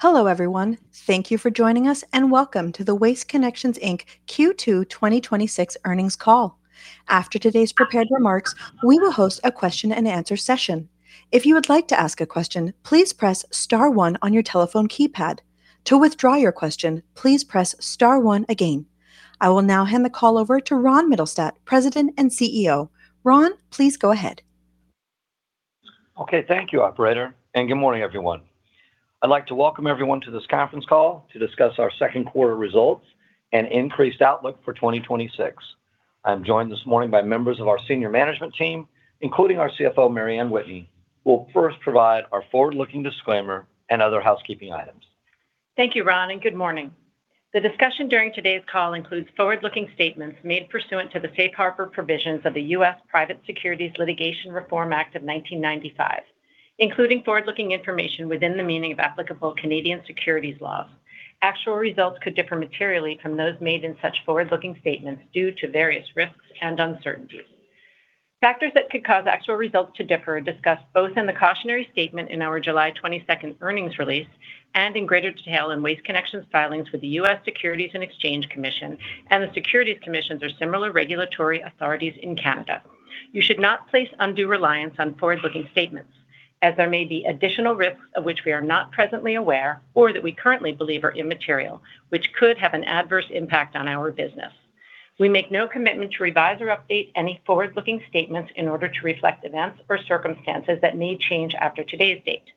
Hello, everyone. Thank you for joining us, and welcome to the Waste Connections Inc Q2 2026 earnings call. After today's prepared remarks, we will host a question and answer session. If you would like to ask a question, please press star one on your telephone keypad. To withdraw your question, please press star one again. I will now hand the call over to Ron Mittelstaedt, President and CEO. Ron, please go ahead. Okay. Thank you, operator. Good morning, everyone. I'd like to welcome everyone to this conference call to discuss our second quarter results and increased outlook for 2026. I'm joined this morning by members of our senior management team, including our CFO, Mary Anne Whitney. We'll first provide our forward-looking disclaimer and other housekeeping items. Thank you, Ron. Good morning. The discussion during today's call includes forward-looking statements made pursuant to the Safe Harbor provisions of the U.S. Private Securities Litigation Reform Act of 1995, including forward-looking information within the meaning of applicable Canadian securities laws. Actual results could differ materially from those made in such forward-looking statements due to various risks and uncertainties. Factors that could cause actual results to differ are discussed both in the cautionary statement in our July 22nd earnings release and in greater detail in Waste Connections's filings with the U.S. Securities and Exchange Commission and the securities commissions or similar regulatory authorities in Canada. You should not place undue reliance on forward-looking statements, as there may be additional risks of which we are not presently aware or that we currently believe are immaterial, which could have an adverse impact on our business. We make no commitment to revise or update any forward-looking statements in order to reflect events or circumstances that may change after today's date.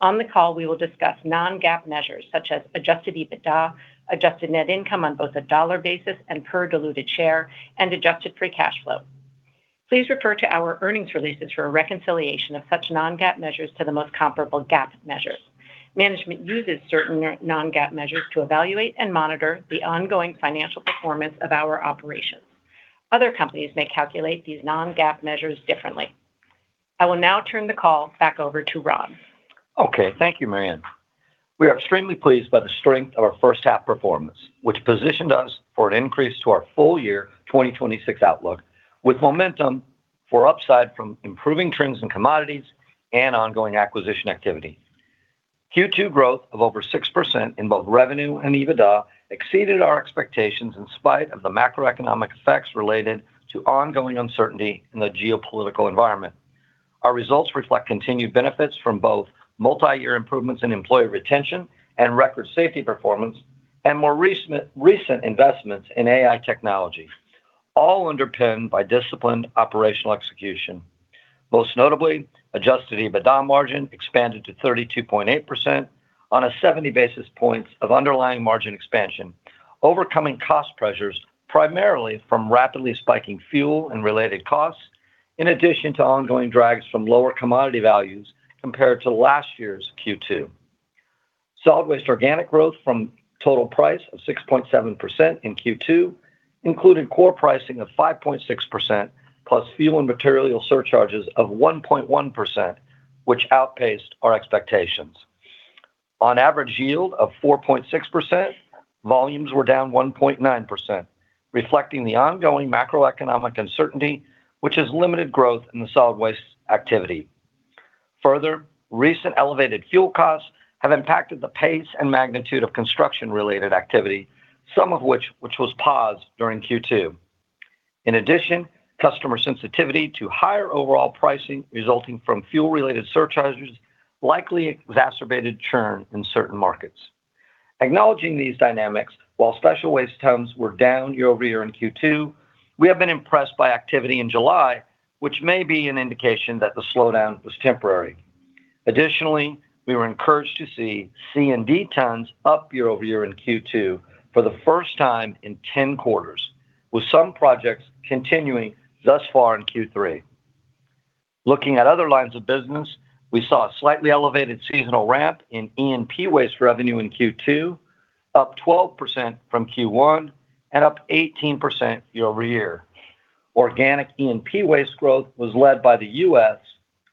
On the call, we will discuss non-GAAP measures such as adjusted EBITDA, adjusted net income on both a dollar basis and per diluted share, and adjusted free cash flow. Please refer to our earnings releases for a reconciliation of such non-GAAP measures to the most comparable GAAP measures. Management uses certain non-GAAP measures to evaluate and monitor the ongoing financial performance of our operations. Other companies may calculate these non-GAAP measures differently. I will now turn the call back over to Ron. Okay. Thank you, Mary Anne. We are extremely pleased by the strength of our first half performance, which positioned us for an increase to our full year 2026 outlook, with momentum for upside from improving trends in commodities and ongoing acquisition activity. Q2 growth of over 6% in both revenue and EBITDA exceeded our expectations in spite of the macroeconomic effects related to ongoing uncertainty in the geopolitical environment. Our results reflect continued benefits from both multi-year improvements in employee retention and record safety performance, and more recent investments in AI technology, all underpinned by disciplined operational execution. Most notably, adjusted EBITDA margin expanded to 32.8% on a 70 basis points of underlying margin expansion, overcoming cost pressures primarily from rapidly spiking fuel and related costs, in addition to ongoing drags from lower commodity values compared to last year's Q2. Solid waste organic growth from total price of 6.7% in Q2 included core pricing of 5.6% plus fuel and material surcharges of 1.1%, which outpaced our expectations. On average yield of 4.6%, volumes were down 1.9%, reflecting the ongoing macroeconomic uncertainty, which has limited growth in the solid waste activity. Further, recent elevated fuel costs have impacted the pace and magnitude of construction-related activity, some of which was paused during Q2. In addition, customer sensitivity to higher overall pricing resulting from fuel-related surcharges likely exacerbated churn in certain markets. Acknowledging these dynamics, while special waste tons were down year-over-year in Q2, we have been impressed by activity in July, which may be an indication that the slowdown was temporary. Additionally, we were encouraged to see C&D tons up year-over-year in Q2 for the first time in 10 quarters, with some projects continuing thus far in Q3. Looking at other lines of business, we saw a slightly elevated seasonal ramp in E&P waste revenue in Q2, up 12% from Q1 and up 18% year-over-year. Organic E&P waste growth was led by the U.S.,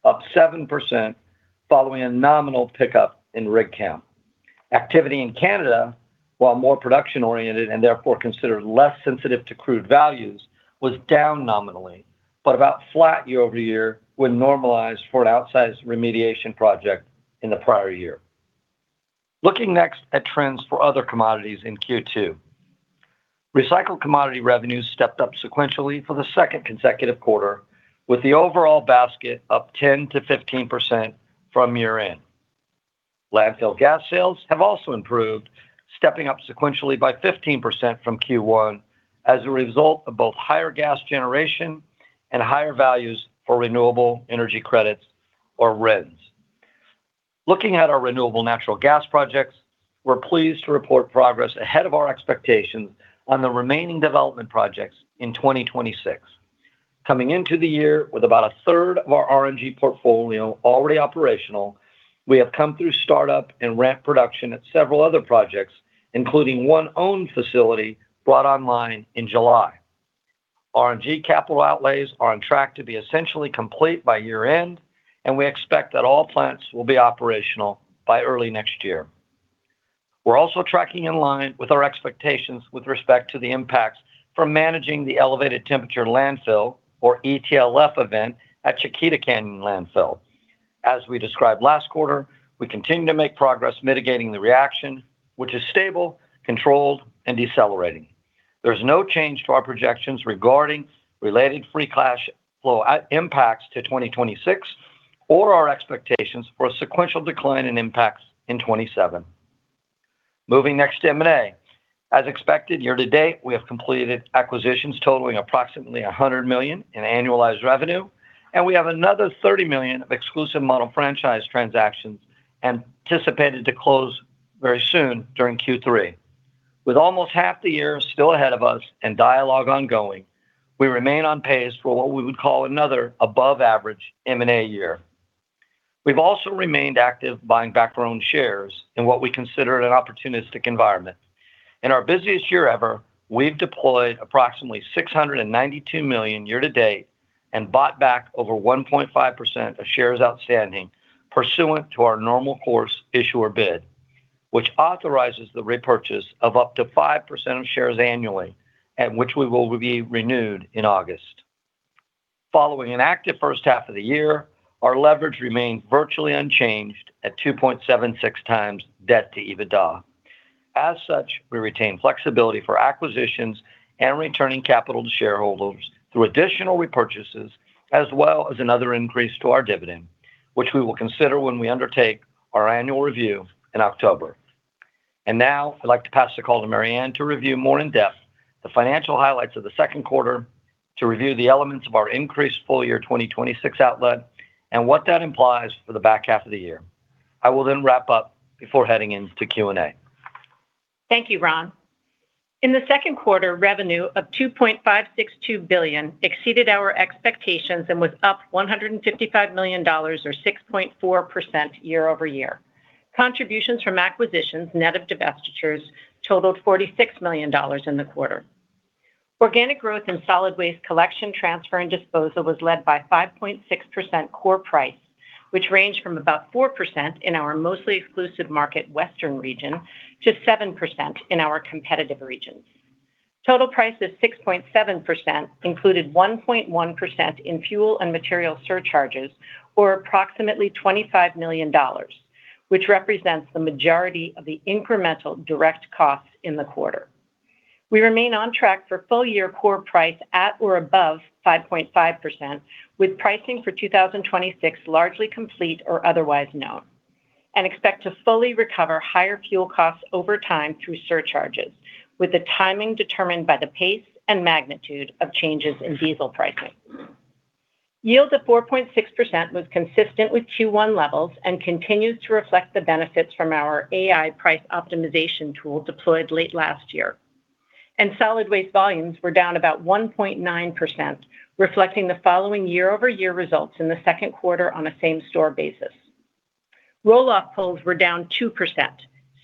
up 7% following a nominal pickup in rig count. Activity in Canada, while more production-oriented and therefore considered less sensitive to crude values, was down nominally, but about flat year-over-year when normalized for an outsized remediation project in the prior year. Looking next at trends for other commodities in Q2. Recycled commodity revenues stepped up sequentially for the second consecutive quarter, with the overall basket up 10%-15% from year-end. Landfill gas sales have also improved, stepping up sequentially by 15% from Q1 as a result of both higher gas generation and higher values for renewable energy credits, or RECs. Looking at our renewable natural gas projects, we are pleased to report progress ahead of our expectations on the remaining development projects in 2026. Coming into the year with about a third of our RNG portfolio already operational, we have come through startup and ramp production at several other projects, including one owned facility brought online in July. RNG capital outlays are on track to be essentially complete by year-end, and we expect that all plants will be operational by early next year. We are also tracking in line with our expectations with respect to the impacts from managing the elevated temperature landfill or ETLF event at Chiquita Canyon Landfill. As we described last quarter, we continue to make progress mitigating the reaction, which is stable, controlled, and decelerating. There's no change to our projections regarding related free cash flow impacts to 2026, or our expectations for a sequential decline in impacts in 2027. Moving next to M&A. As expected, year to date, we have completed acquisitions totaling approximately $100 million in annualized revenue, and we have another $30 million of exclusive model franchise transactions anticipated to close very soon during Q3. With almost half the year still ahead of us and dialogue ongoing, we remain on pace for what we would call another above-average M&A year. We've also remained active buying back our own shares in what we consider an opportunistic environment. In our busiest year ever, we've deployed approximately $692 million year to date and bought back over 1.5% of shares outstanding pursuant to our normal course issuer bid, which authorizes the repurchase of up to 5% of shares annually and which will be renewed in August. Following an active first half of the year, our leverage remained virtually unchanged at 2.76x debt to EBITDA. As such, we retain flexibility for acquisitions and returning capital to shareholders through additional repurchases, as well as another increase to our dividend, which we will consider when we undertake our annual review in October. Now, I'd like to pass the call to Mary Anne to review more in depth the financial highlights of the second quarter, to review the elements of our increased full-year 2026 outlook, and what that implies for the back half of the year. I will then wrap up before heading into Q&A. Thank you, Ron. In the second quarter, revenue of $2.562 billion exceeded our expectations and was up $155 million, or 6.4% year-over-year. Contributions from acquisitions net of divestitures totaled $46 million in the quarter. Organic growth in solid waste collection, transfer, and disposal was led by 5.6% core price, which ranged from about 4% in our mostly exclusive market western region to 7% in our competitive regions. Total price is 6.7%, included 1.1% in fuel and material surcharges or approximately $25 million, which represents the majority of the incremental direct costs in the quarter. We remain on track for full-year core price at or above 5.5%, with pricing for 2026 largely complete or otherwise known, and expect to fully recover higher fuel costs over time through surcharges, with the timing determined by the pace and magnitude of changes in diesel pricing. Yield of 4.6% was consistent with Q1 levels and continues to reflect the benefits from our AI price optimization tool deployed late last year. Solid waste volumes were down about 1.9%, reflecting the following year-over-year results in the second quarter on a same-store basis. Roll-off pulls were down 2%,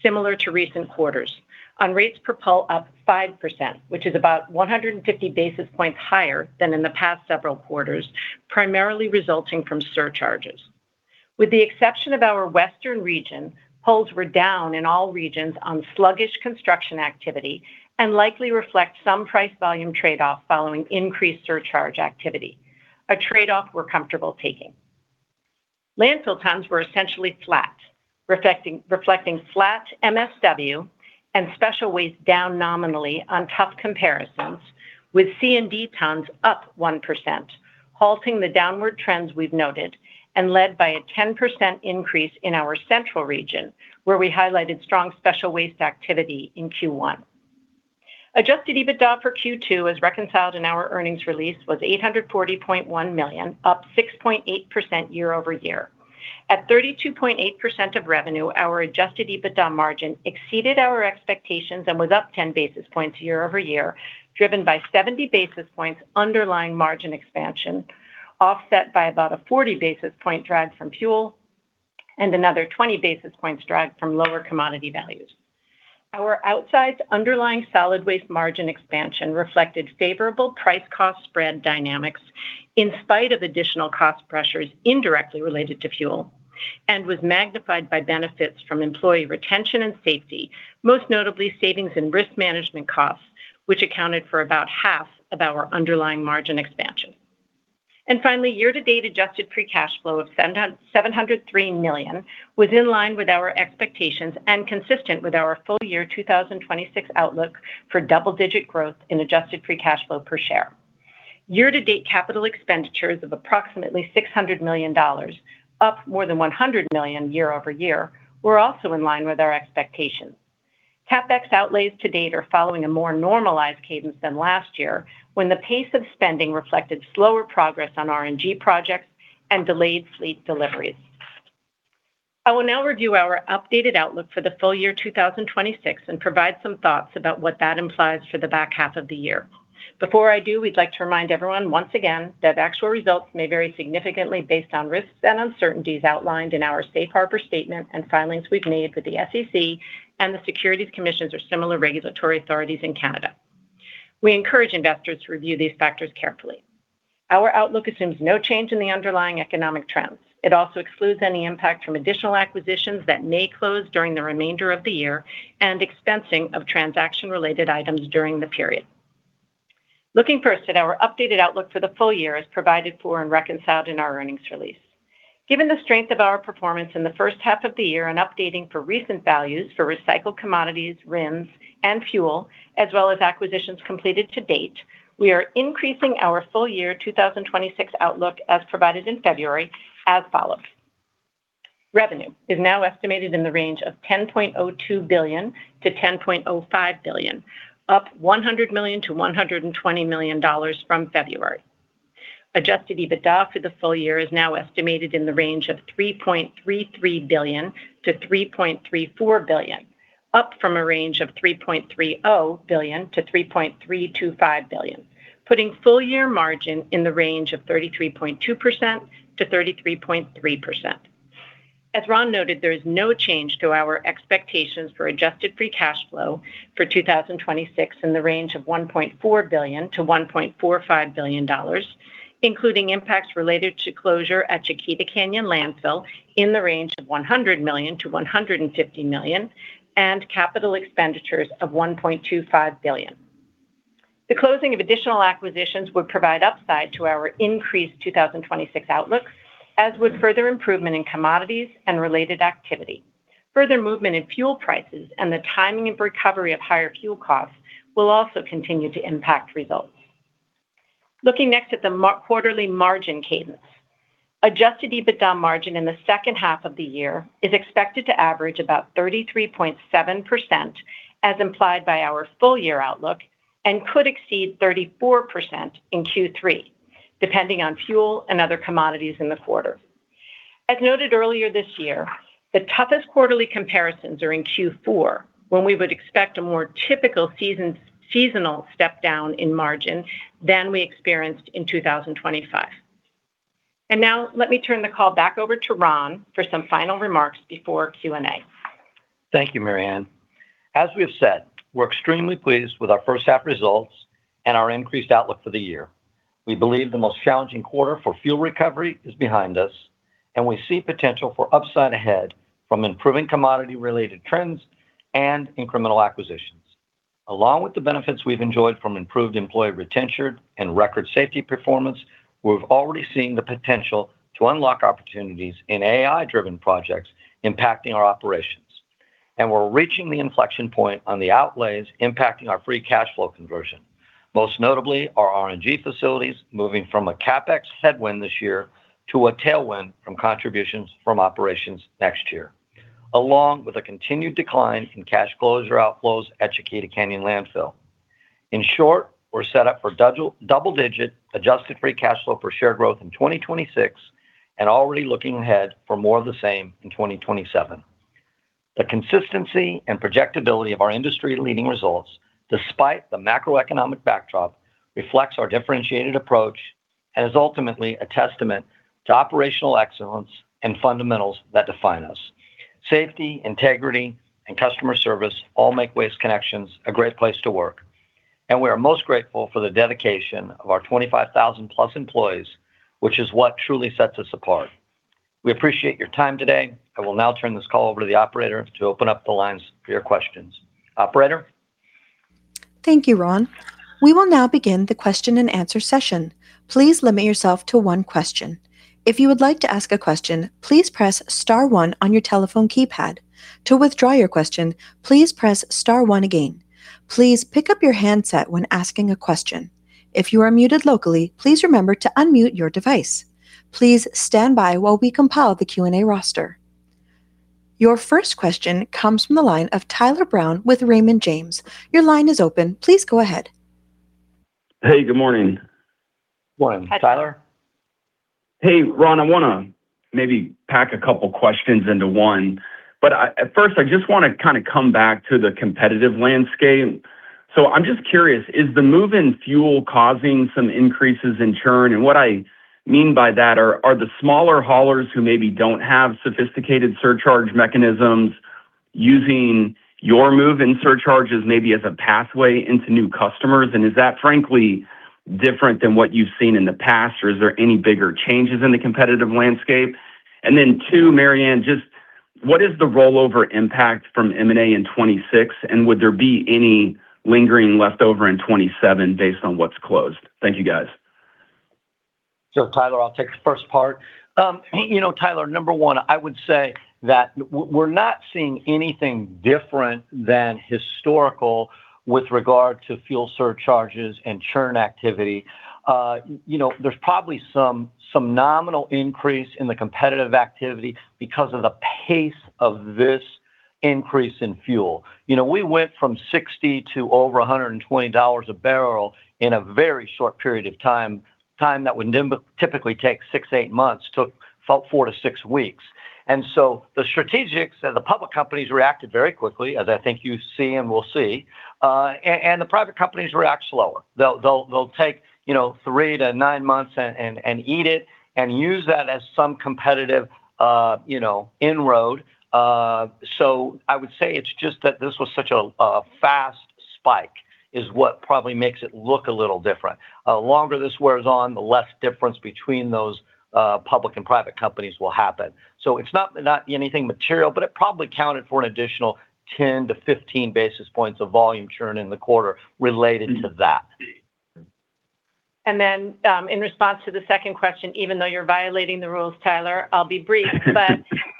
similar to recent quarters, on rates per pull up 5%, which is about 150 basis points higher than in the past several quarters, primarily resulting from surcharges. With the exception of our western region, pulls were down in all regions on sluggish construction activity and likely reflect some price-volume trade-off following increased surcharge activity, a trade-off we're comfortable taking. Landfill tons were essentially flat, reflecting flat MSW and special waste down nominally on tough comparisons with C&D tons up 1%, halting the downward trends we've noted and led by a 10% increase in our central region, where we highlighted strong special waste activity in Q1. Adjusted EBITDA for Q2, as reconciled in our earnings release, was $840.1 million, up 6.8% year-over-year. At 32.8% of revenue, our adjusted EBITDA margin exceeded our expectations and was up 10 basis points year-over-year, driven by 70 basis points underlying margin expansion, offset by about a 40 basis point drag from fuel and another 20 basis points drag from lower commodity values. Our outsides underlying solid waste margin expansion reflected favorable price-cost spread dynamics in spite of additional cost pressures indirectly related to fuel and was magnified by benefits from employee retention and safety, most notably savings in risk management costs, which accounted for about half of our underlying margin expansion. Finally, year-to-date adjusted free cash flow of $703 million was in line with our expectations and consistent with our full-year 2026 outlook for double-digit growth in adjusted free cash flow per share. Year-to-date capital expenditures of approximately $600 million, up more than $100 million year-over-year, were also in line with our expectations. CapEx outlays to date are following a more normalized cadence than last year, when the pace of spending reflected slower progress on RNG projects and delayed fleet deliveries. I will now review our updated outlook for the full year 2026 and provide some thoughts about what that implies for the back half of the year. Before I do, we'd like to remind everyone once again that actual results may vary significantly based on risks and uncertainties outlined in our Safe Harbor statement and filings we've made with the SEC and the securities commissions or similar regulatory authorities in Canada. We encourage investors to review these factors carefully. Our outlook assumes no change in the underlying economic trends. It also excludes any impact from additional acquisitions that may close during the remainder of the year and expensing of transaction-related items during the period. Looking first at our updated outlook for the full year as provided for and reconciled in our earnings release. Given the strength of our performance in the first half of the year and updating for recent values for recycled commodities, RINs, and fuel, as well as acquisitions completed to date, we are increasing our full-year 2026 outlook as provided in February as follows. Revenue is now estimated in the range of $10.02 billion-$10.05 billion, up $100 million-$120 million from February. Adjusted EBITDA for the full year is now estimated in the range of $3.33 billion-$3.34 billion, up from a range of $3.30 billion-$3.325 billion, putting full-year margin in the range of 33.2%-33.3%. As Ron noted, there is no change to our expectations for adjusted free cash flow for 2026 in the range of $1.4 billion-$1.45 billion, including impacts related to closure at Chiquita Canyon Landfill in the range of $100 million-$150 million and capital expenditures of $1.25 billion. The closing of additional acquisitions would provide upside to our increased 2026 outlook, as would further improvement in commodities and related activity. Further movement in fuel prices and the timing of recovery of higher fuel costs will also continue to impact results. Looking next at the quarterly margin cadence. Adjusted EBITDA margin in the second half of the year is expected to average about 33.7%, as implied by our full-year outlook, and could exceed 34% in Q3, depending on fuel and other commodities in the quarter. As noted earlier this year, the toughest quarterly comparisons are in Q4, when we would expect a more typical seasonal step-down in margin than we experienced in 2025. Now let me turn the call back over to Ron for some final remarks before Q&A. Thank you, Mary Anne. As we have said, we're extremely pleased with our first-half results and our increased outlook for the year. We believe the most challenging quarter for fuel recovery is behind us, and we see potential for upside ahead from improving commodity-related trends and incremental acquisitions. Along with the benefits we've enjoyed from improved employee retention and record safety performance, we've already seen the potential to unlock opportunities in AI-driven projects impacting our operations. We're reaching the inflection point on the outlays impacting our free cash flow conversion. Most notably, our RNG facilities moving from a CapEx headwind this year to a tailwind from contributions from operations next year, along with a continued decline in cash closure outflows at Chiquita Canyon Landfill. In short, we're set up for double-digit adjusted free cash flow per share growth in 2026 and already looking ahead for more of the same in 2027. The consistency and projectability of our industry-leading results, despite the macroeconomic backdrop, reflects our differentiated approach and is ultimately a testament to operational excellence and fundamentals that define us. Safety, integrity, and customer service all make Waste Connections a great place to work, and we are most grateful for the dedication of our 25,000+ employees, which is what truly sets us apart. We appreciate your time today. I will now turn this call over to the operator to open up the lines for your questions. Operator? Thank you, Ron. We will now begin the question and answer session. Please limit yourself to one question. If you would like to ask a question, please press star one on your telephone keypad. To withdraw your question, please press star one again. Please pick up your handset when asking a question. If you are muted locally, please remember to unmute your device. Please stand by while we compile the Q&A roster. Your first question comes from the line of Tyler Brown with Raymond James. Your line is open. Please go ahead. Hey, good morning. Morning, Tyler. Hi, Tyler. Ron, I want to maybe pack a couple of questions into one. First, I just want to come back to the competitive landscape. I'm just curious: Is the move in fuel causing some increases in churn? What I mean by that are the smaller haulers who maybe don't have sophisticated surcharge mechanisms using your move in surcharges maybe as a pathway into new customers? Is that frankly different than what you've seen in the past, or is there any bigger changes in the competitive landscape? Two, Mary Anne, just what is the rollover impact from M&A in 2026, and would there be any lingering leftover in 2027 based on what's closed? Thank you, guys. Tyler, I'll take the first part. Tyler, number one, I would say that we're not seeing anything different than historical with regard to fuel surcharges and churn activity. There's probably some nominal increase in the competitive activity because of the pace of this increase in fuel. We went from $60 to over $120 a barrel in a very short period of time. Time that would typically take six to eight months took four to six weeks. The strategics and the public companies reacted very quickly, as I think you see and will see. The private companies react slower. They'll take three to nine months and eat it and use that as some competitive inroad. I would say it's just that this was such a fast spike is what probably makes it look a little different. The longer this wears on, the less difference between those public and private companies will happen. It's not anything material, but it probably counted for an additional 10-15 basis points of volume churn in the quarter related to that. In response to the second question, even though you're violating the rules, Tyler, I'll be brief.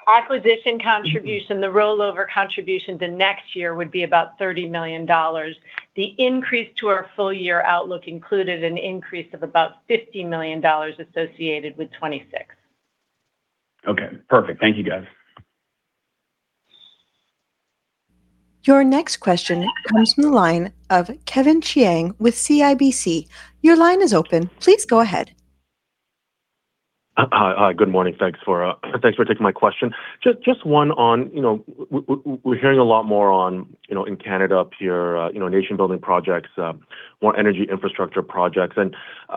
Acquisition contribution, the rollover contribution to next year would be about $30 million. The increase to our full-year outlook included an increase of about $50 million associated with 2026. Okay, perfect. Thank you, guys. Your next question comes from the line of Kevin Chiang with CIBC. Your line is open. Please go ahead. Hi. Good morning. Thanks for taking my question. Just one on, we're hearing a lot more in Canada up here, nation building projects, more energy infrastructure projects.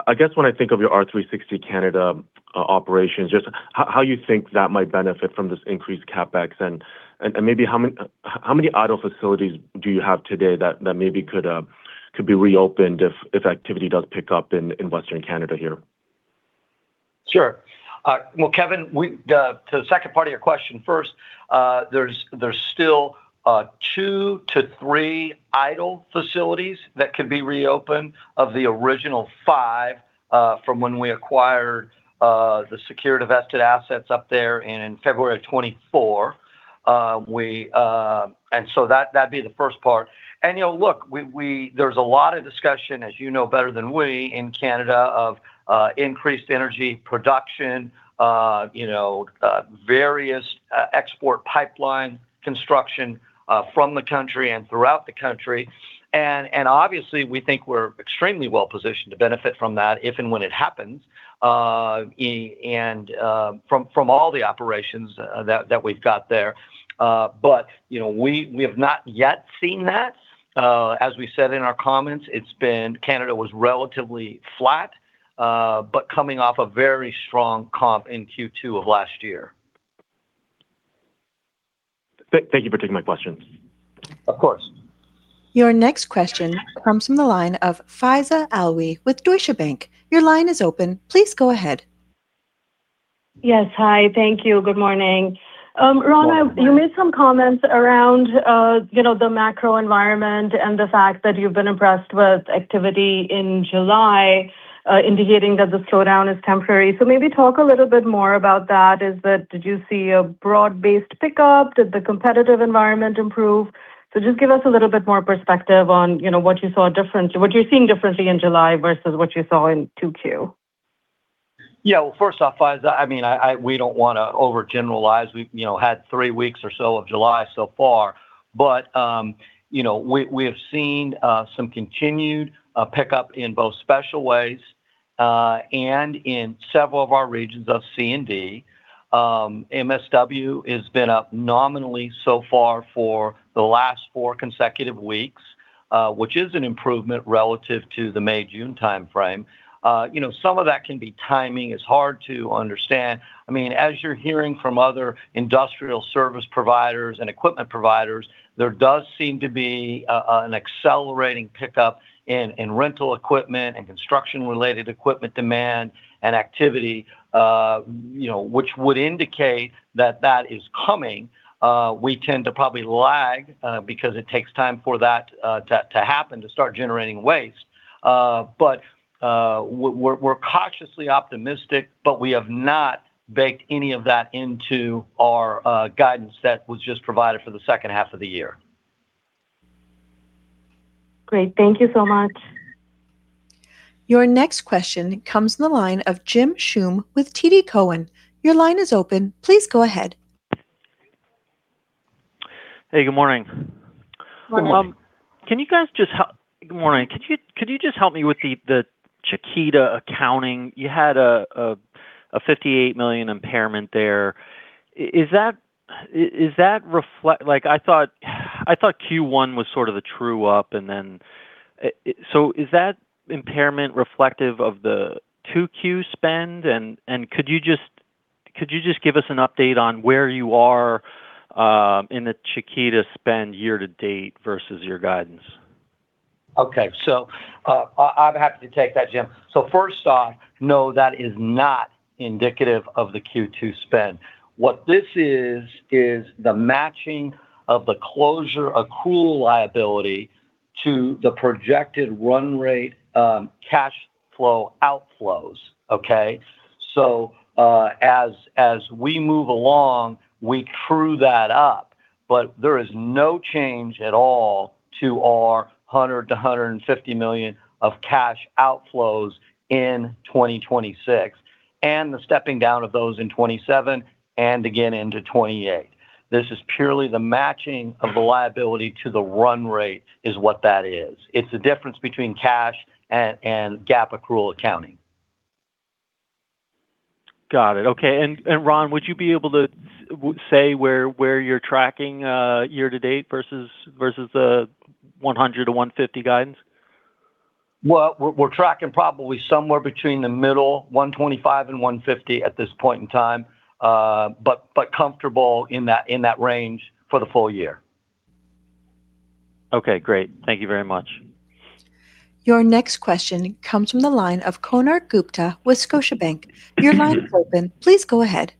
I guess, when I think of your R360 Canada operations, just how you think that might benefit from this increased CapEx, and maybe how many idle facilities do you have today that maybe could be reopened if activity does pick up in Western Canada here? Sure. Well, Kevin, to the second part of your question first, there's still two to three idle facilities that could be reopened of the original five, from when we acquired the Secure Energy assets up there in February of 2024. So that'd be the first part. Look, there's a lot of discussion, as you know better than we, in Canada, of increased energy production, various export pipeline construction from the country and throughout the country, and obviously, we think we're extremely well-positioned to benefit from that if and when it happens, and from all the operations that we've got there. We have not yet seen that. As we said in our comments, Canada was relatively flat, but coming off a very strong comp in Q2 of last year. Thank you for taking my question. Of course. Your next question comes from the line of Faiza Alwi with Deutsche Bank. Your line is open. Please go ahead. Yes. Hi. Thank you. Good morning. Ron, you made some comments around the macro environment and the fact that you've been impressed with activity in July, indicating that the slowdown is temporary. Maybe talk a little bit more about that. Did you see a broad-based pickup? Did the competitive environment improve? Just give us a little bit more perspective on what you're seeing differently in July versus what you saw in Q2. Well, first off, Faiza, we don't want to overgeneralize. We've had three weeks or so of July so far. We have seen some continued pickup in both special waste, and in several of our regions of C&D. MSW has been up nominally so far for the last four consecutive weeks, which is an improvement relative to the May-June timeframe. Some of that can be timing. It's hard to understand. As you're hearing from other industrial service providers and equipment providers, there does seem to be an accelerating pickup in rental equipment and construction-related equipment demand and activity, which would indicate that that is coming. We tend to probably lag because it takes time for that to happen to start generating waste. We're cautiously optimistic, but we have not baked any of that into our guidance that was just provided for the second half of the year. Great. Thank you so much. Your next question comes from the line of Jim Schumm with TD Cowen. Your line is open. Please go ahead. Hey, good morning. Good morning. Can you just help me with the Chiquita accounting? You had a $58 million impairment there. I thought Q1 was sort of the true up, is that impairment reflective of the Q2 spend? Could you just give us an update on where you are in the Chiquita spend year-to-date versus your guidance? Okay. I'd be happy to take that, Jim. First off, no, that is not indicative of the Q2 spend. What this is the matching of the closure accrual liability to the projected run rate cash flow outflows. Okay? As we move along, we true that up, there is no change at all to our $100 million-$150 million of cash outflows in 2026, and the stepping down of those in 2027, and again into 2028. This is purely the matching of the liability to the run rate, is what that is. It's the difference between cash and GAAP accrual accounting. Got it. Okay. Ron, would you be able to say where you're tracking year-to-date versus the 100-150 guidance? Well, we're tracking probably somewhere between the middle, 125-150 at this point in time, but comfortable in that range for the full year. Okay, great. Thank you very much. Your next question comes from the line of Konark Gupta with Scotiabank. Your line is open. Please go ahead.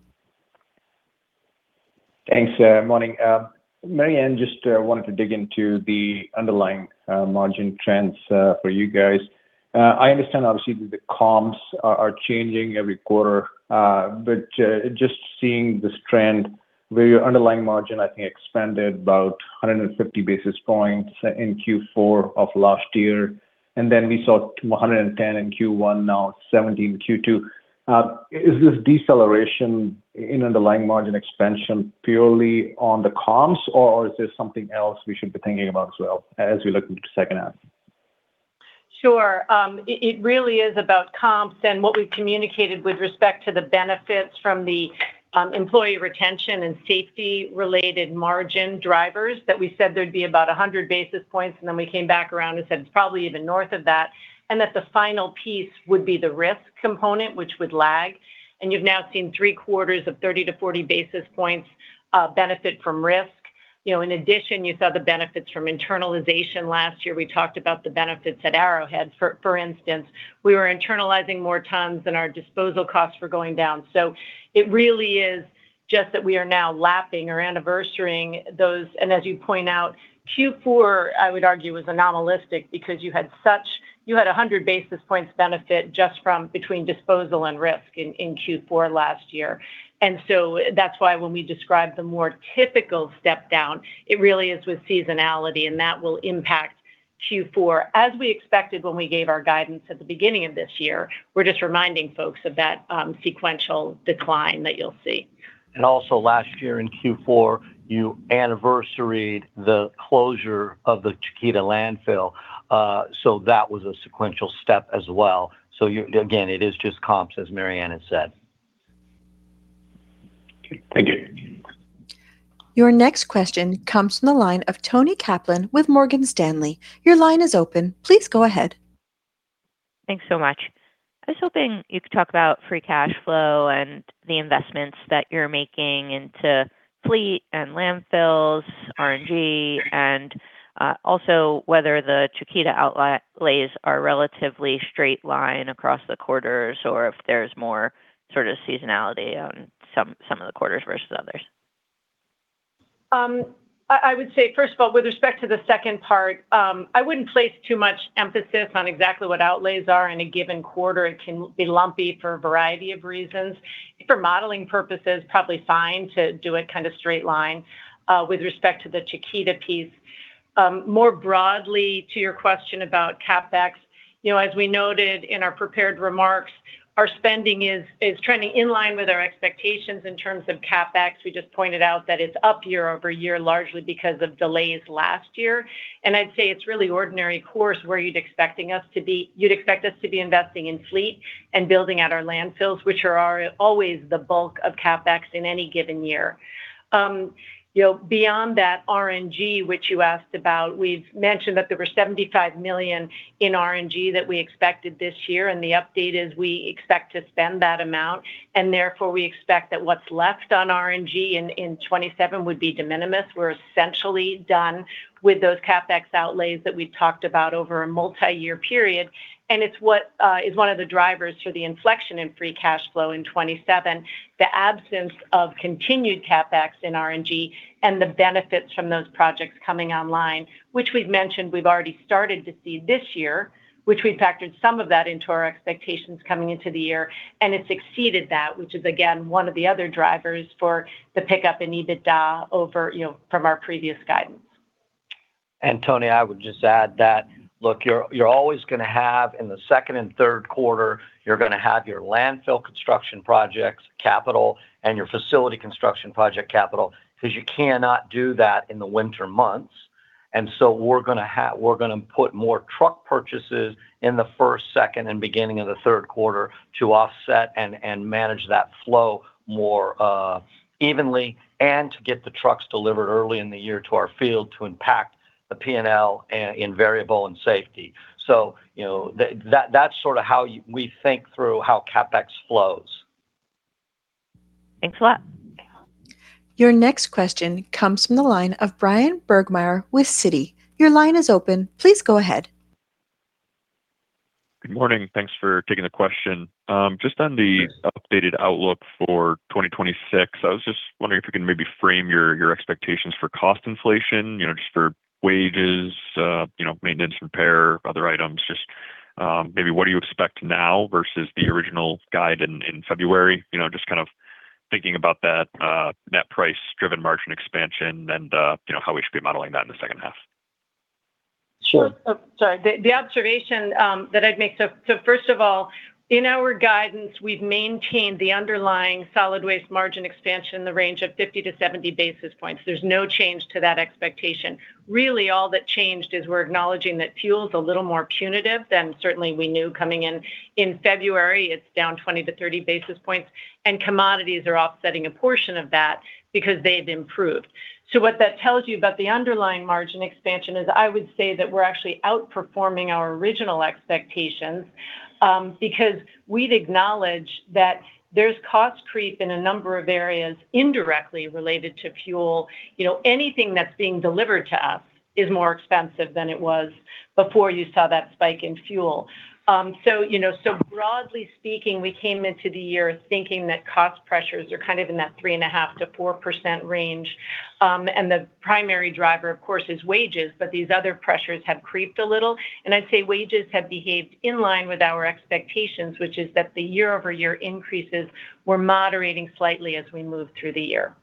Thanks. Morning, Mary Anne, just wanted to dig into the underlying margin trends for you guys. I understand obviously that the comps are changing every quarter, but just seeing this trend where your underlying margin, I think, expanded about 150 basis points in Q4 of last year, and then we saw 110 in Q1, now 70, Q2. Is this deceleration in underlying margin expansion purely on the comps, or is there something else we should be thinking about as well as we look into second half? Sure. It really is about comps and what we've communicated with respect to the benefits from the employee retention and safety-related margin drivers that we said there'd be about 100 basis points, and then we came back around and said it's probably even north of that, and that the final piece would be the risk component, which would lag. You've now seen three quarters of 30-40 basis points, benefit from risk. In addition, you saw the benefits from internalization last year. We talked about the benefits at Arrowhead, for instance. We were internalizing more tons than our disposal costs were going down. It really is just that we are now lapping or anniversarying those, and as you point out, Q4, I would argue, was anomalistic because you had 100 basis points benefit just from between disposal and risk in Q4 last year. That's why when we describe the more typical step down, it really is with seasonality, and that will impact Q4. As we expected when we gave our guidance at the beginning of this year, we're just reminding folks of that sequential decline that you'll see. Last year in Q4, you anniversaried the closure of the Chiquita landfill, so that was a sequential step as well. Again, it is just comps, as Mary Anne has said. Okay. Thank you. Your next question comes from the line of Toni Kaplan with Morgan Stanley. Your line is open. Please go ahead. Thanks so much. I was hoping you could talk about free cash flow and the investments that you're making into fleet and landfills, RNG, and also whether the Chiquita outlays are relatively straight line across the quarters or if there's more sort of seasonality on some of the quarters versus others. I would say, first of all, with respect to the second part, I wouldn't place too much emphasis on exactly what outlays are in a given quarter. It can be lumpy for a variety of reasons. For modeling purposes, probably fine to do a kind of straight line with respect to the Chiquita piece. More broadly, to your question about CapEx, as we noted in our prepared remarks, our spending is trending in line with our expectations in terms of CapEx. We just pointed out that it's up year-over-year, largely because of delays last year. I'd say it's really ordinary course where you'd expect us to be investing in fleet and building out our landfills, which are always the bulk of CapEx in any given year. Beyond that, RNG, which you asked about, we've mentioned that there were $75 million in RNG that we expected this year. The update is we expect to spend that amount, therefore we expect that what's left on RNG in 2027 would be de minimis. We're essentially done with those CapEx outlays that we've talked about over a multi-year period. It's one of the drivers for the inflection in free cash flow in 2027. The absence of continued CapEx in RNG, the benefits from those projects coming online, which we've mentioned we've already started to see this year, which we've factored some of that into our expectations coming into the year. It's exceeded that, which is, again, one of the other drivers for the pickup in EBITDA over from our previous guidance. Toni, I would just add that, look, you're always going to have, in the second and third quarter, you're going to have your landfill construction projects capital and your facility construction project capital because you cannot do that in the winter months. We're going to put more truck purchases in the first, second, and beginning of the third quarter to offset and manage that flow more evenly and to get the trucks delivered early in the year to our field to impact the P&L in variable and safety. That's sort of how we think through how CapEx flows. Thanks a lot. Your next question comes from the line of Bryan Burgmeier with Citi. Your line is open. Please go ahead. Good morning. Thanks for taking the question. Just on the updated outlook for 2026, I was wondering if you can maybe frame your expectations for cost inflation for wages, maintenance, repair, other items. Maybe what do you expect now versus the original guide in February? Thinking about that net price-driven margin expansion and how we should be modeling that in the second half. Sure. Sorry, the observation that I'd make, first of all, in our guidance, we've maintained the underlying solid waste margin expansion in the range of 50-70 basis points. There's no change to that expectation. All that changed is we're acknowledging that fuel is a little more punitive than certainly we knew coming in in February. It's down 20-30 basis points, and commodities are offsetting a portion of that because they've improved. What that tells you about the underlying margin expansion is I would say that we're actually outperforming our original expectations, because we'd acknowledge that there's cost creep in a number of areas indirectly related to fuel. Anything that's being delivered to us is more expensive than it was before you saw that spike in fuel. Broadly speaking, we came into the year thinking that cost pressures are in that 3.5%-4% range. The primary driver, of course, is wages, but these other pressures have creeped a little. I'd say wages have behaved in line with our expectations, which is that the year-over-year increases were moderating slightly as we moved through the year.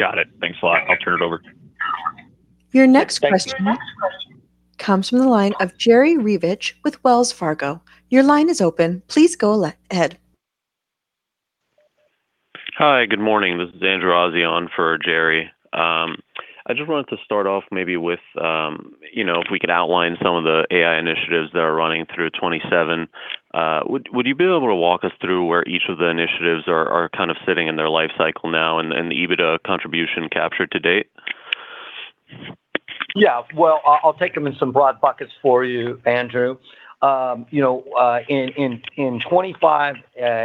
Got it. Thanks a lot. I'll turn it over. Your next question comes from the line of Jerry Revich with Wells Fargo. Your line is open. Please go ahead. Hi, good morning. This is Andrew Ozzie for Jerry. I just wanted to start off maybe with if we could outline some of the AI initiatives that are running through 2027. Would you be able to walk us through where each of the initiatives are sitting in their life cycle now and the EBITDA contribution captured to date? Yeah. Well, I'll take them in some broad buckets for you, Andrew. In 2025,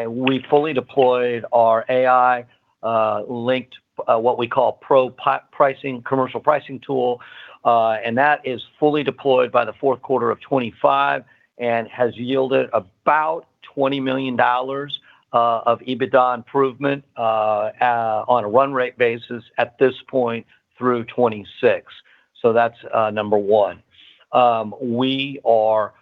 we fully deployed our AI-linked, what we call pro Pricing, commercial pricing tool. That is fully deployed by the fourth quarter of 2025 and has yielded about $20 million of EBITDA improvement on a run rate basis at this point through 2026. That's number one. We are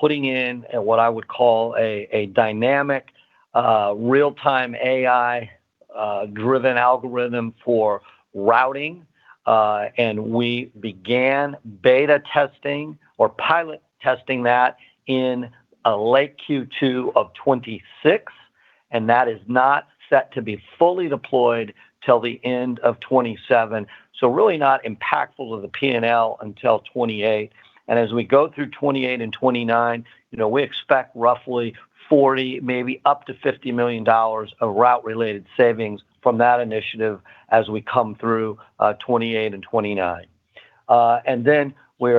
putting in what I would call a dynamic, real-time AI-driven algorithm for routing. We began beta testing or pilot testing that in late Q2 of 2026. That is not set to be fully deployed till the end of 2027. Really not impactful to the P&L until 2028. As we go through 2028 and 2029, we expect roughly $40 million, maybe up to $50 million of route-related savings from that initiative as we come through 2028 and 2029. Then we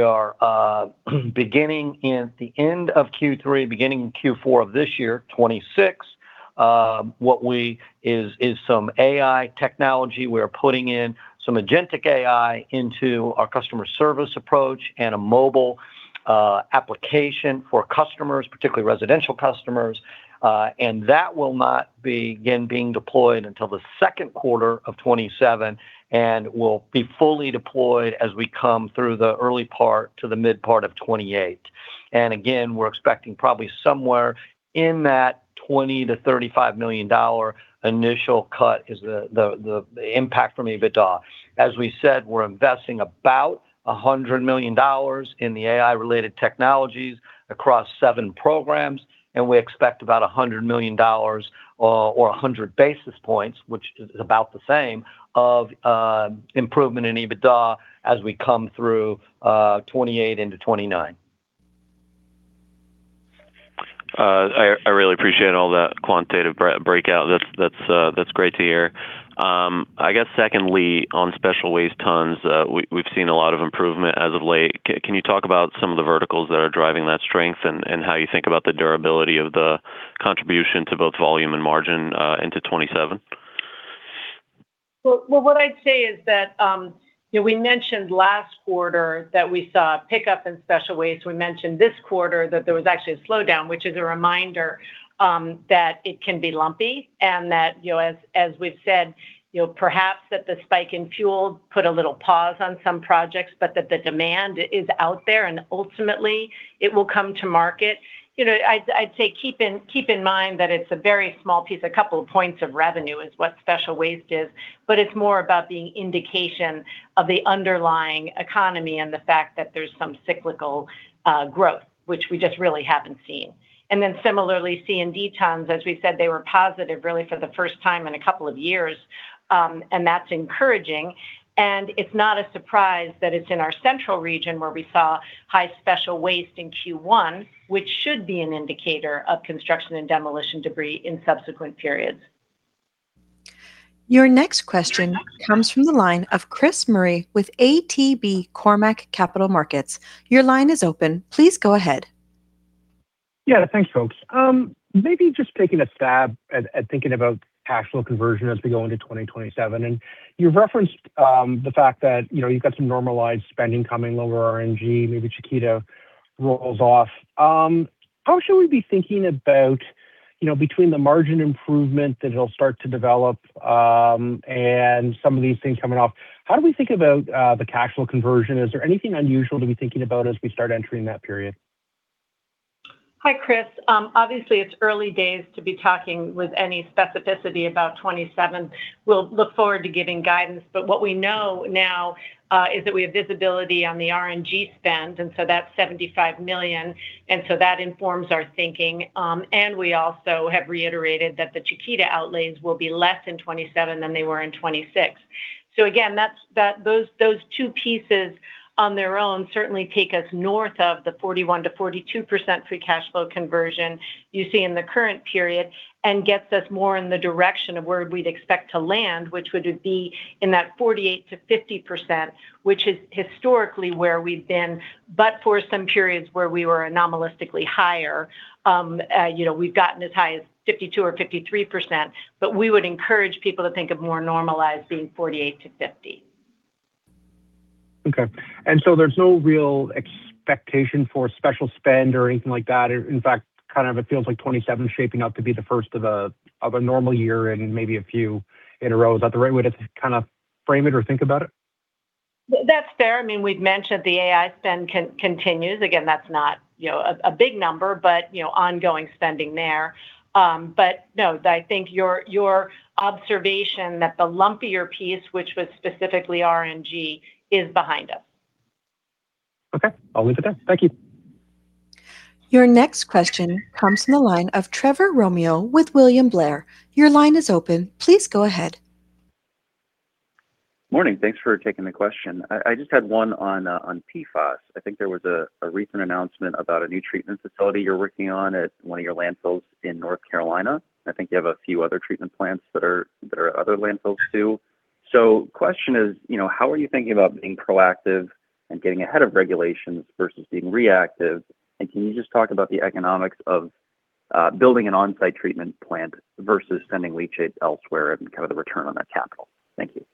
are beginning in the end of Q3, beginning in Q4 of this year, 2026, is some AI technology. We are putting in some agentic AI into our customer service approach and a mobile application for customers, particularly residential customers. That will not begin being deployed until the second quarter of 2027 and will be fully deployed as we come through the early part to the mid part of 2028. Again, we're expecting probably somewhere in that $20 million-$35 million initial cut is the impact from EBITDA. As we said, we're investing about $100 million in the AI-related technologies across seven programs. We expect about $100 million or 100 basis points, which is about the same, of improvement in EBITDA as we come through 2028 into 2029. I really appreciate all that quantitative breakout. That's great to hear. I guess secondly, on special waste tons, we've seen a lot of improvement as of late. Can you talk about some of the verticals that are driving that strength and how you think about the durability of the contribution to both volume and margin into 2027? Well, what I'd say is that we mentioned last quarter that we saw a pickup in special waste. We mentioned this quarter that there was actually a slowdown, which is a reminder that it can be lumpy and that, as we've said, perhaps that the spike in fuel put a little pause on some projects, but that the demand is out there, and ultimately it will come to market. I'd say keep in mind that it's a very small piece, couple points of revenue is what special waste is, but it's more about being indication of the underlying economy and the fact that there's some cyclical growth, which we just really haven't seen. Similarly, C&D tons, as we said, they were positive really for the first time in two years, and that's encouraging. It's not a surprise that it's in our central region where we saw high special waste in Q1, which should be an indicator of construction and demolition debris in subsequent periods. Your next question comes from the line of Chris Murray with ATB Cormark Capital Markets. Your line is open. Please go ahead. Yeah. Thanks, folks. Maybe just taking a stab at thinking about cash flow conversion as we go into 2027. You've referenced the fact that you've got some normalized spending coming, lower RNG, maybe Chiquita rolls off. How should we be thinking about between the margin improvement that it'll start to develop and some of these things coming off, how do we think about the cash flow conversion? Is there anything unusual to be thinking about as we start entering that period? Hi, Chris. Obviously, it's early days to be talking with any specificity about 2027. What we know now is that we have visibility on the RNG spend, that's $75 million, that informs our thinking. We also have reiterated that the Chiquita outlays will be less in 2027 than they were in 2026. Again, those two pieces on their own certainly take us north of the 41%-42% free cash flow conversion you see in the current period and gets us more in the direction of where we'd expect to land, which would be in that 48%-50%, which is historically where we've been, for some periods where we were anomalistically higher. We've gotten as high as 52% or 53%, we would encourage people to think of more normalized being 48%-50%. Okay. There's no real expectation for special spend or anything like that? In fact, it feels like 2027 is shaping up to be the first of a normal year and maybe a few in a row. Is that the right way to frame it or think about it? That's fair. We've mentioned the AI spend continues. Again, that's not a big number, ongoing spending there. No, I think your observation that the lumpier piece, which was specifically RNG, is behind us. Okay. I'll leave it there. Thank you. Your next question comes from the line of Trevor Romeo with William Blair. Your line is open. Please go ahead. Morning. Thanks for taking the question. I just had one on PFAS. I think there was a recent announcement about a new treatment facility you're working on at one of your landfills in North Carolina. I think you have a few other treatment plants that are other landfills, too. Question is, how are you thinking about being proactive and getting ahead of regulations versus being reactive? And can you just talk about the economics of building an on-site treatment plant versus sending leachate elsewhere and the return on that capital? Thank you.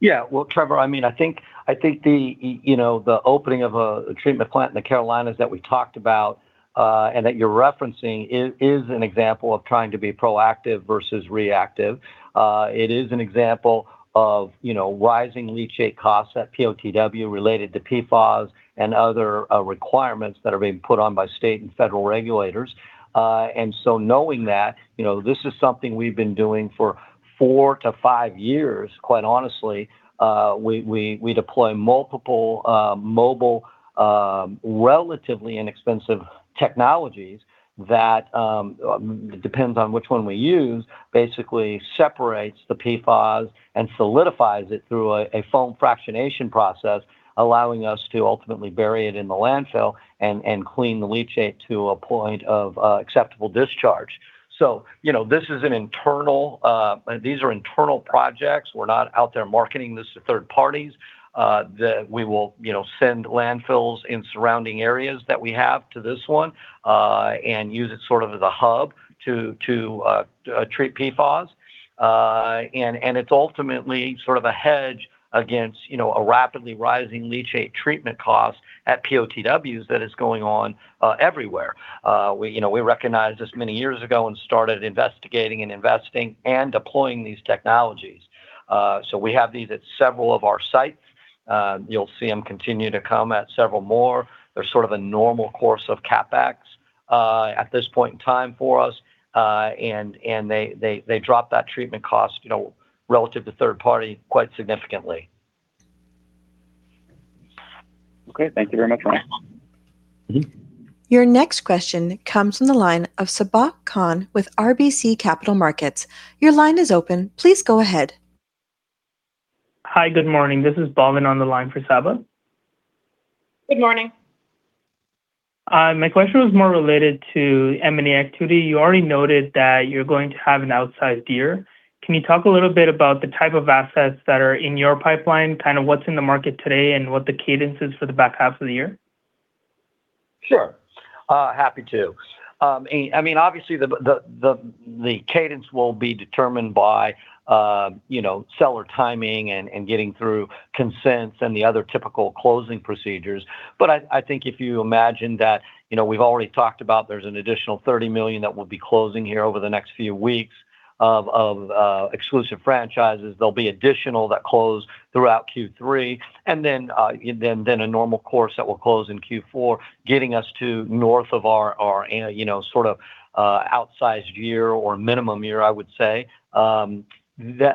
Yeah. Well, Trevor, I think the opening of a treatment plant in the Carolinas that we talked about, and that you're referencing, is an example of trying to be proactive versus reactive. It is an example of rising leachate costs at POTW related to PFAS and other requirements that are being put on by state and federal regulators. Knowing that, this is something we've been doing for four to five years, quite honestly. We deploy multiple mobile, relatively inexpensive technologies that, depends on which one we use, basically separates the PFAS and solidifies it through a foam fractionation process, allowing us to ultimately bury it in the landfill and clean the leachate to a point of acceptable discharge. These are internal projects. We're not out there marketing this to third parties. We will send landfills in surrounding areas that we have to this one, and use it as a hub to treat PFAS. It's ultimately a hedge against a rapidly rising leachate treatment cost at POTWs that is going on everywhere. We recognized this many years ago and started investigating and investing and deploying these technologies. We have these at several of our sites. You'll see them continue to come at several more. They're a normal course of CapEx at this point in time for us. They drop that treatment cost, relative to third party, quite significantly. Okay. Thank you very much. Your next question comes from the line of Sabahat Khan with RBC Capital Markets. Your line is open. Please go ahead. Hi. Good morning. This is [Bhavin] on the line for Sabahat. Good morning. My question was more related to M&A activity. You already noted that you're going to have an outsized year. Can you talk a little bit about the type of assets that are in your pipeline, what's in the market today, and what the cadence is for the back half of the year? Sure. Happy to. Obviously, the cadence will be determined by seller timing and getting through consents and the other typical closing procedures. I think if you imagine that, we've already talked about there's an additional $30 million that we'll be closing here over the next few weeks of exclusive franchises. There'll be additional that close throughout Q3, and then a normal course that will close in Q4, getting us to north of our outsized year or minimum year, I would say. These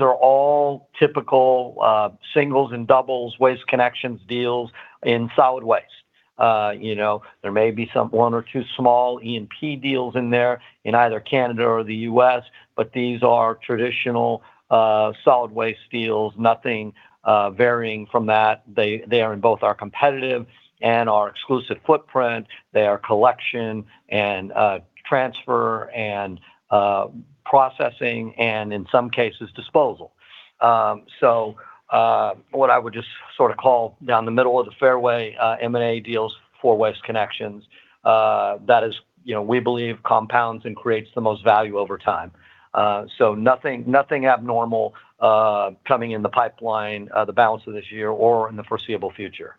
are all typical singles and doubles, Waste Connections deals in solid waste. There may be one or two small E&P deals in there in either Canada or the U.S., but these are traditional solid waste deals, nothing varying from that. They are in both our competitive and our exclusive footprint. They are collection and transfer and processing and, in some cases, disposal. What I would just call down the middle of the fairway M&A deals for Waste Connections. That is, we believe compounds and creates the most value over time. Nothing abnormal coming in the pipeline, the balance of this year or in the foreseeable future.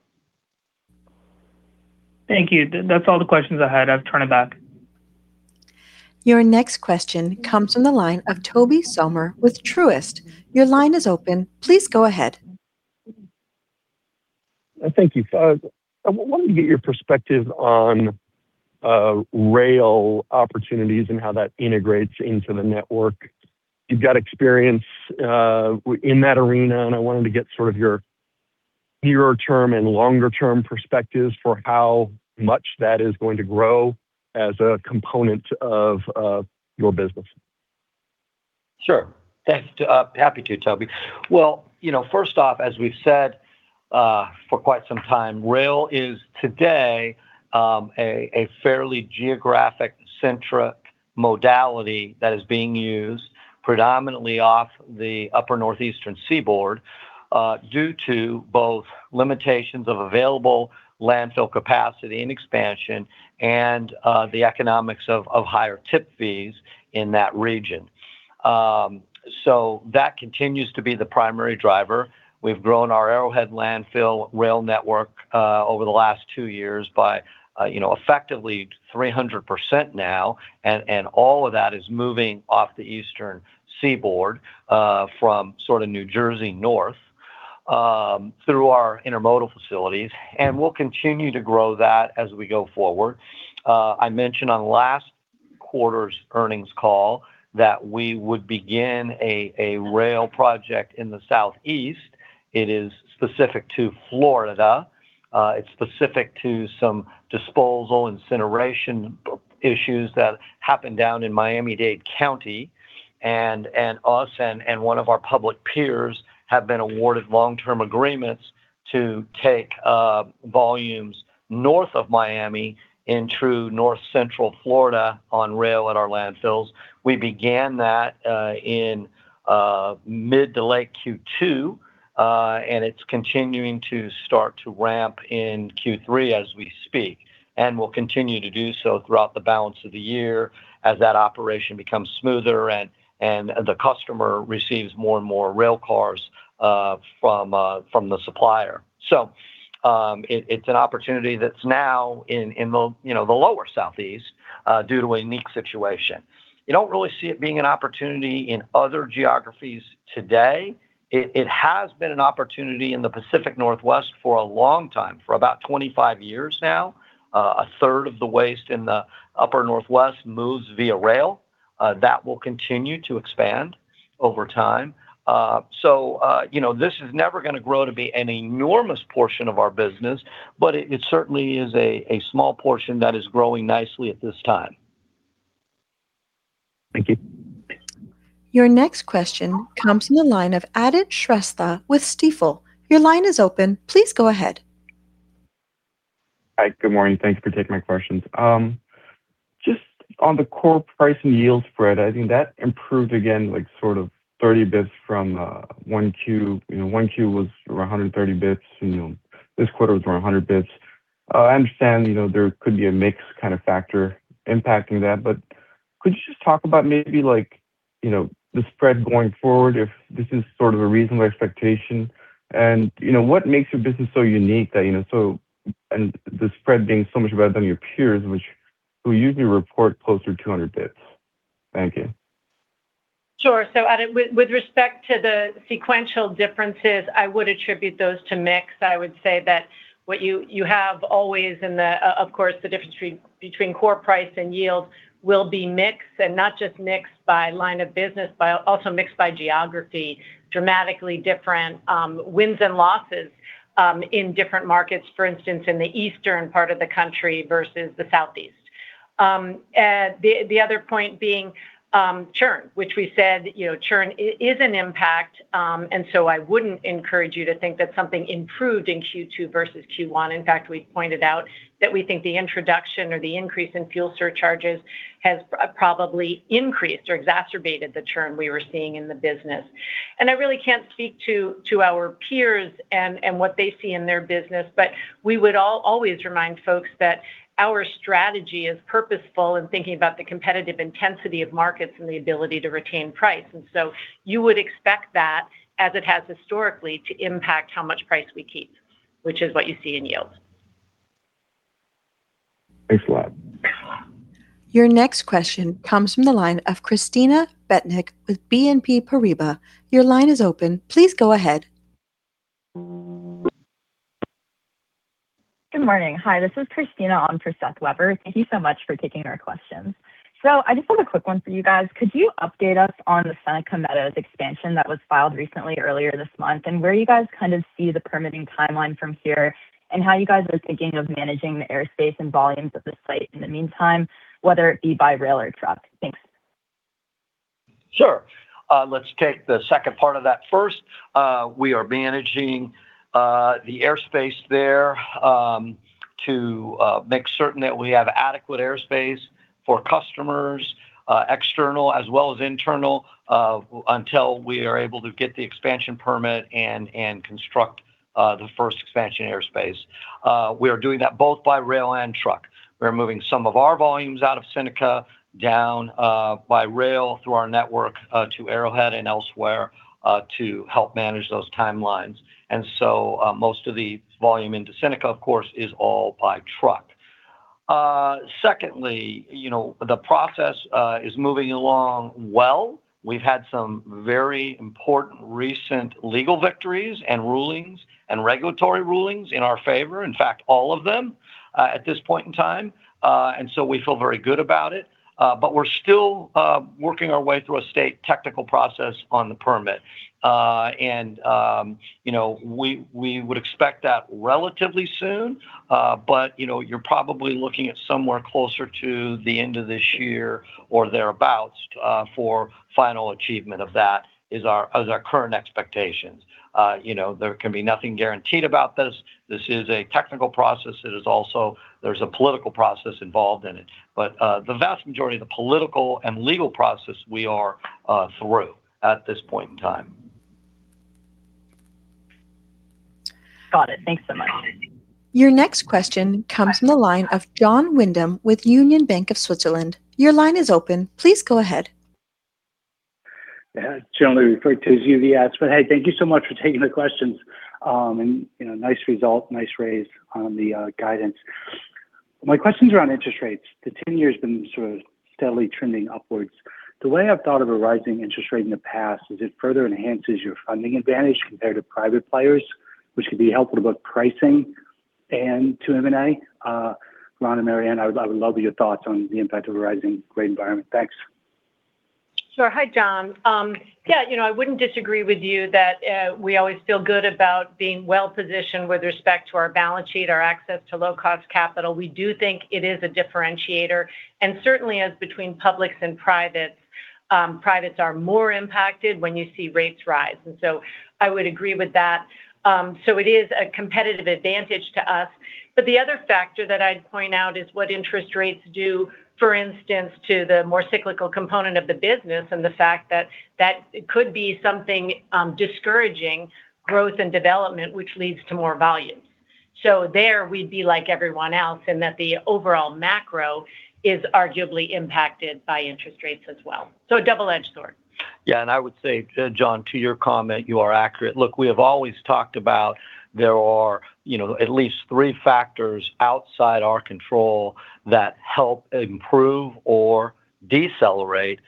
Thank you. That's all the questions I had. I'll turn it back. Your next question comes from the line of Tobey Sommer with Truist. Your line is open. Please go ahead. Thank you. I wanted to get your perspective on rail opportunities and how that integrates into the network. You've got experience in that arena, and I wanted to get your nearer term and longer term perspectives for how much that is going to grow as a component of your business. Sure. Happy to, Tobey. Well, first off, as we've said for quite some time, rail is today, a fairly geographic-centric modality that is being used predominantly off the upper Northeastern Seaboard due to both limitations of available Landfill capacity and expansion and the economics of higher tip fees in that region. So that continues to be the primary driver. We've grown our Arrowhead Landfill rail network over the last two years by effectively 300% now, and all of that is moving off the eastern seaboard from New Jersey north through our intermodal facilities. We'll continue to grow that as we go forward. I mentioned on last quarter's earnings call that we would begin a rail project in the southeast. It is specific to Florida. It's specific to some disposal incineration issues that happened down in Miami-Dade County and us and one of our public peers have been awarded long-term agreements to take volumes north of Miami into North Central Florida on rail at our landfills. We began that in mid to late Q2. It's continuing to start to ramp in Q3 as we speak. Will continue to do so throughout the balance of the year as that operation becomes smoother and the customer receives more and more rail cars from the supplier. It's an opportunity that's now in the lower southeast due to a unique situation. You don't really see it being an opportunity in other geographies today. It has been an opportunity in the Pacific Northwest for a long time, for about 25 years now. A third of the waste in the upper northwest moves via rail. That will continue to expand over time. This is never going to grow to be an enormous portion of our business, but it certainly is a small portion that is growing nicely at this time. Thank you. Your next question comes from the line of Aadit Shrestha with Stifel. Your line is open. Please go ahead. Hi. Good morning. Thanks for taking my questions. Just on the core price and yield spread, I think that improved again sort of 30 basis points from 1Q. 1Q was 130 basis points, this quarter was around 100 basis points. I understand there could be a mix factor impacting that, could you just talk about maybe the spread going forward, if this is a reasonable expectation and what makes your business so unique and the spread being so much better than your peers who usually report closer to 100 basis points? Thank you. Sure. Aadit, with respect to the sequential differences, I would attribute those to mix. I would say that what you have always in the, of course, the difference between core price and yield will be mix, and not just mix by line of business, but also mixed by geography. Dramatically different wins and losses in different markets, for instance, in the eastern part of the country versus the southeast. The other point being churn, which we said churn is an impact, I wouldn't encourage you to think that something improved in Q2 versus Q1. In fact, we pointed out that we think the introduction or the increase in fuel surcharges has probably increased or exacerbated the churn we were seeing in the business. I really can't speak to our peers and what they see in their business, but we would always remind folks that our strategy is purposeful in thinking about the competitive intensity of markets and the ability to retain price. You would expect that, as it has historically, to impact how much price we keep, which is what you see in yield. Thanks a lot. Your next question comes from the line of Christina Bettink with BNP Paribas. Your line is open. Please go ahead. Good morning. Hi, this is Christina on for Seth Weber. Thank you so much for taking our questions. I just have a quick one for you guys. Could you update us on the Seneca Meadows expansion that was filed recently earlier this month, and where you guys see the permitting timeline from here, and how you guys are thinking of managing the airspace and volumes at the site in the meantime, whether it be by rail or truck? Thanks. Sure. Let's take the second part of that first. We are managing the airspace there to make certain that we have adequate airspace for customers, external as well as internal, until we are able to get the expansion permit and construct the first expansion airspace. We are doing that both by rail and truck. We are moving some of our volumes out of Seneca down by rail through our network to Arrowhead and elsewhere to help manage those timelines. Most of the volume into Seneca, of course, is all by truck. Secondly, the process is moving along well. We've had some very important recent legal victories and rulings and regulatory rulings in our favor. In fact, all of them at this point in time. We feel very good about it. We're still working our way through a state technical process on the permit. We would expect that relatively soon. You're probably looking at somewhere closer to the end of this year or thereabout for final achievement of that is our current expectations. There can be nothing guaranteed about this. This is a technical process. There's a political process involved in it. The vast majority of the political and legal process we are through at this point in time. Got it. Thanks so much. Your next question comes from the line of Jon Windham with Union Bank of Switzerland. Your line is open. Please go ahead. Yeah. Jon here with UBS. Hey, thank you so much for taking the questions. Nice result, nice raise on the guidance. My questions are on interest rates. The 10-year's been sort of steadily trending upwards. The way I've thought of a rising interest rate in the past is it further enhances your funding advantage compared to private players, which could be helpful to both pricing and to M&A. Ron and Mary Anne, I would love your thoughts on the impact of a rising rate environment. Thanks. Sure. Hi, Jon. Yeah, I wouldn't disagree with you that we always feel good about being well-positioned with respect to our balance sheet, our access to low-cost capital. We do think it is a differentiator. Certainly as between publics and privates are more impacted when you see rates rise. I would agree with that. It is a competitive advantage to us. The other factor that I'd point out is what interest rates do, for instance, to the more cyclical component of the business and the fact that that could be something discouraging growth and development which leads to more volume. There we'd be like everyone else in that the overall macro is arguably impacted by interest rates as well. A double-edged sword. Yeah. I would say, Jon, to your comment, you are accurate. Look, we have always talked about there are at least three factors outside our control that help improve or decelerate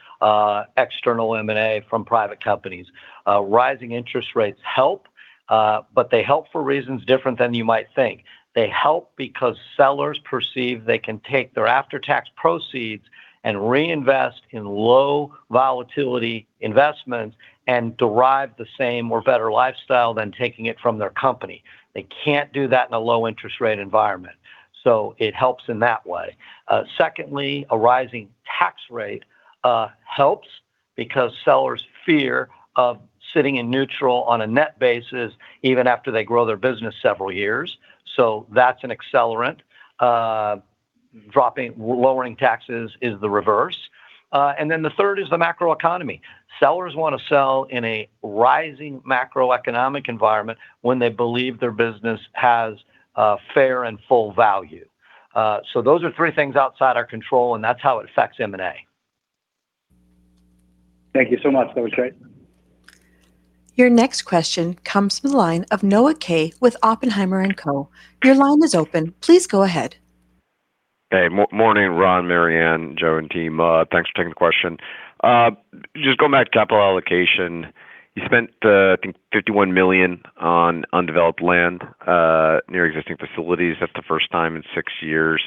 external M&A from private companies. Rising interest rates help, they help for reasons different than you might think. They help because sellers perceive they can take their after-tax proceeds and reinvest in low volatility investments and derive the same or better lifestyle than taking it from their company. They can't do that in a low-interest rate environment. It helps in that way. Secondly, a rising tax rate helps because sellers fear of sitting in neutral on a net basis even after they grow their business several years. That's an accelerant. Lowering taxes is the reverse. The third is the macroeconomy. Sellers want to sell in a rising macroeconomic environment when they believe their business has fair and full value. Those are three things outside our control, and that's how it affects M&A. Thank you so much. That was great. Your next question comes from the line of Noah Kaye with Oppenheimer & Co. Your line is open. Please go ahead. Morning, Ron, Mary Anne, Joe, and team. Thanks for taking the question. Going back to capital allocation. You spent, I think, $51 million on undeveloped land near existing facilities. That's the first time in six years.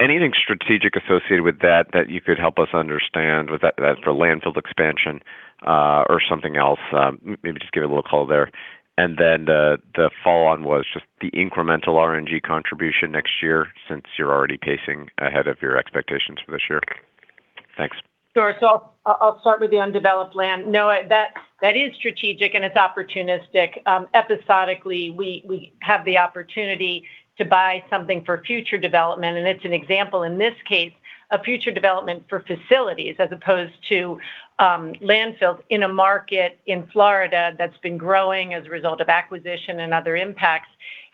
Anything strategic associated with that that you could help us understand? That's for landfill expansion or something else? Maybe give it a little call there. The follow-on was the incremental RNG contribution next year since you're already pacing ahead of your expectations for this year. Thanks. Sure. I'll start with the undeveloped land. Noah, that is strategic and it's opportunistic. Episodically, we have the opportunity to buy something for future development, and it's an example in this case a future development for facilities as opposed to landfills in a market in Florida that's been growing as a result of acquisition and other impacts.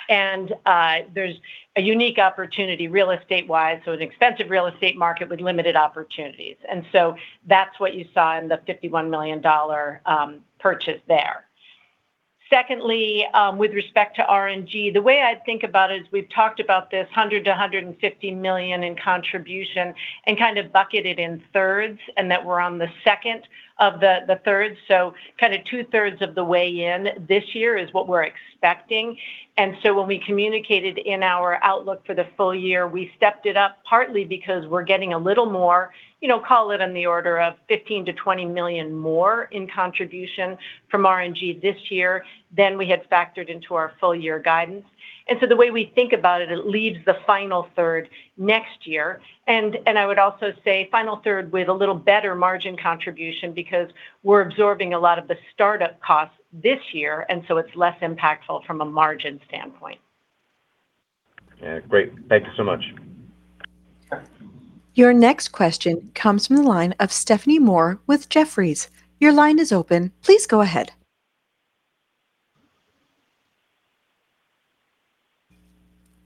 There's a unique opportunity real estate-wise, so an expensive real estate market with limited opportunities. That's what you saw in the $51 million purchase there. Secondly, with respect to RNG, the way I'd think about it is we've talked about this $100 million-$150 million in contribution and kind of bucketed in thirds and that we're on the second of the thirds. Kind of two-thirds of the way in this year is what we're expecting. When we communicated in our outlook for the full year, we stepped it up partly because we're getting a little more, call it in the order of $15 million-$20 million more in contribution from RNG this year than we had factored into our full year guidance. The way we think about it leaves the final third next year. I would also say final third with a little better margin contribution because we're absorbing a lot of the startup costs this year, and so it's less impactful from a margin standpoint. Yeah. Great. Thank you so much. Your next question comes from the line of Stephanie Moore with Jefferies. Your line is open. Please go ahead.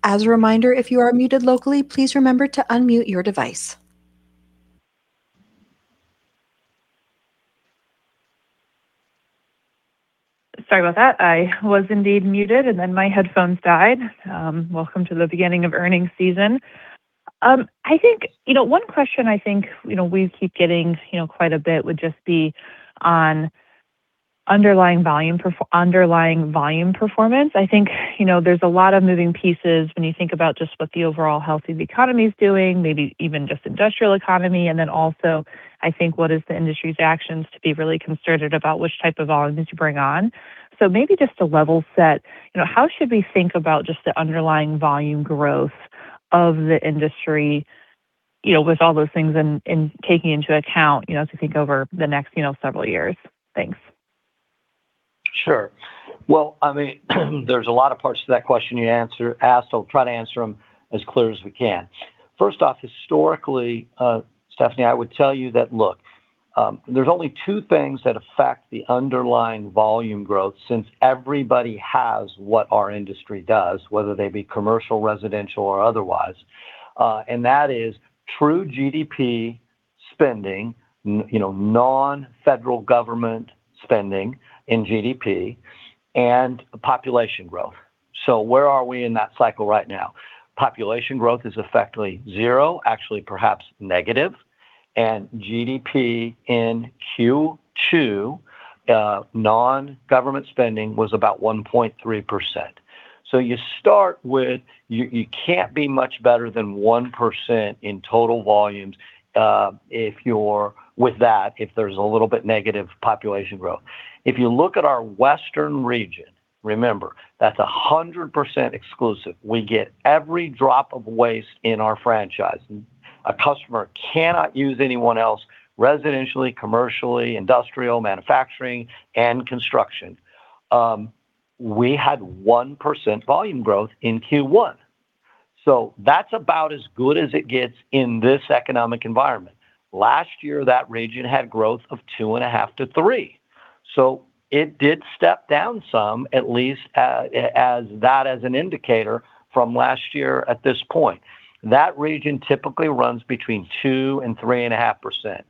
As a reminder, if you are muted locally, please remember to unmute your device. Sorry about that. I was indeed muted, my headphones died. Welcome to the beginning of earnings season. One question I think we keep getting quite a bit would just be on underlying volume performance. I think, there's a lot of moving pieces when you think about just what the overall health of the economy is doing, maybe even just industrial economy, what is the industry's actions to be really concerted about which type of volumes you bring on. Maybe just to level set, how should we think about just the underlying volume growth of the industry, with all those things and taking into account as we think over the next several years? Thanks. Sure. Well, there's a lot of parts to that question you asked. I'll try to answer them as clear as we can. First off, historically, Stephanie, I would tell you that, look, there's only two things that affect the underlying volume growth, since everybody has what our industry does, whether they be commercial, residential, or otherwise. That is true GDP spending, non-federal government spending in GDP, and population growth. Where are we in that cycle right now? Population growth is effectively zero, actually perhaps negative. GDP in Q2, non-government spending was about 1.3%. You start with, you can't be much better than 1% in total volumes with that, if there's a little bit negative population growth. If you look at our Western region, remember, that's 100% exclusive. We get every drop of waste in our franchise. A customer cannot use anyone else residentially, commercially, industrial, manufacturing, and construction. We had 1% volume growth in Q1. That's about as good as it gets in this economic environment. Last year, that region had growth of two and a half to three. It did step down some, at least as that as an indicator from last year at this point. That region typically runs between two and three and a half percent.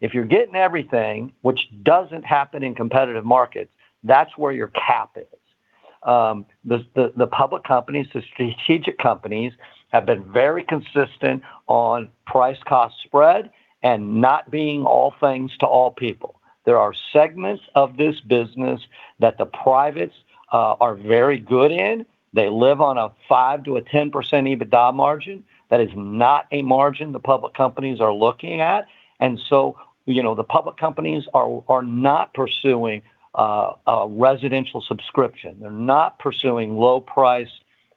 If you're getting everything, which doesn't happen in competitive markets, that's where your cap is. The public companies, the strategic companies, have been very consistent on price-cost spread and not being all things to all people. There are segments of this business that the privates are very good in. They live on a 5%-10% EBITDA margin. That is not a margin the public companies are looking at. The public companies are not pursuing a residential subscription. They're not pursuing low price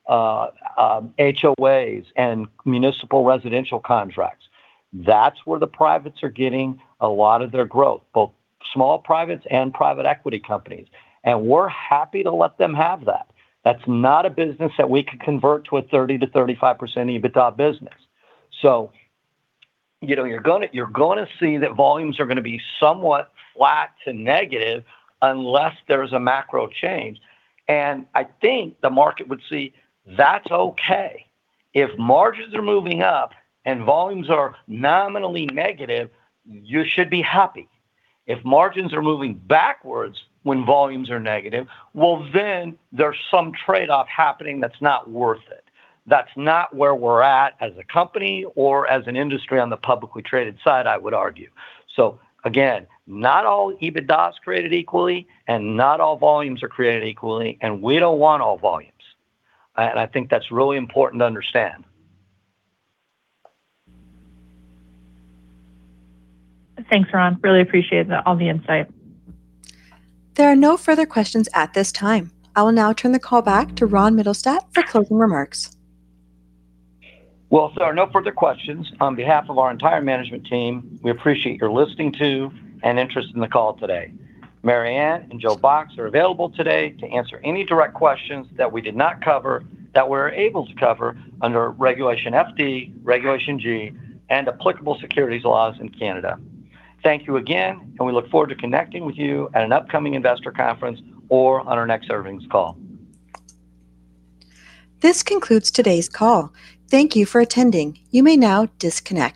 HOAs and municipal residential contracts. That's where the privates are getting a lot of their growth, both small privates and private equity companies. We're happy to let them have that. That's not a business that we could convert to a 30%-35% EBITDA business. You're going to see that volumes are going to be somewhat flat to negative unless there's a macro change. I think the market would see that's okay. If margins are moving up and volumes are nominally negative, you should be happy. If margins are moving backwards when volumes are negative, well then, there's some trade-off happening that's not worth it. That's not where we're at as a company or as an industry on the publicly traded side, I would argue. Again, not all EBITDA is created equally, and not all volumes are created equally, and we don't want all volumes. I think that's really important to understand. Thanks, Ron. Really appreciate all the insight. There are no further questions at this time. I will now turn the call back to Ron Mittelstaedt for closing remarks. Well, if there are no further questions, on behalf of our entire management team, we appreciate your listening to and interest in the call today. Mary Anne and Joe Box are available today to answer any direct questions that we did not cover that we're able to cover under Regulation FD, Regulation G, and applicable securities laws in Canada. Thank you again. We look forward to connecting with you at an upcoming investor conference or on our next earnings call. This concludes today's call. Thank you for attending. You may now disconnect.